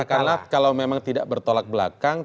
kata kata kalau memang tidak bertolak belakang